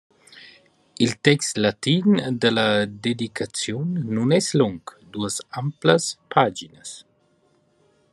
Il text latin da la dedicaziun nun es lung, duos amplas paginas.